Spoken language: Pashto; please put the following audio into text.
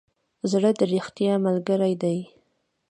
زړه د ریښتیا ملګری دی.